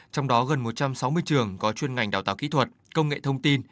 trong đó gần một trăm sáu mươi trường có chuyên ngành đào tạo kỹ thuật công nghệ thông tin